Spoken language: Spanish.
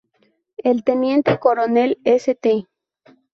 El Teniente Coronel St.